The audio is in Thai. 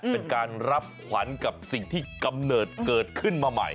เป็นการรับขวัญกับสิ่งที่กำเนิดเกิดขึ้นมาใหม่